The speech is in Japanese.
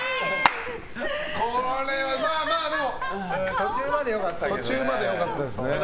途中まで良かったけどね。